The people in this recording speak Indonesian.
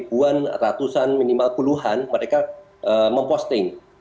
ribuan ratusan minimal puluhan mereka memposting